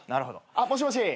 あっもしもし？